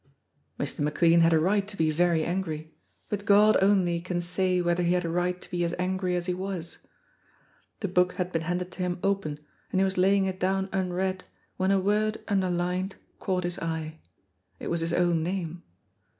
Mr. McLean had a right to be very angry, but God only can say whether he had a right to be as angry as he was. The book had been handed to him open, and he was laying it down unread when a word underlined caught his eye. It was his own name.